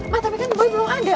ma tapi kan boy belum ada